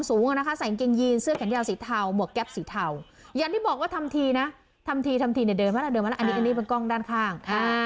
สูงนะคะใส่นิกเกงยีนเสื้อแขนแยวสีเทาหมวกแก๊ปสีเดินมาแล้วด้านข้าง